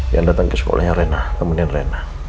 yang datang ke sekolahnya rena temenin rena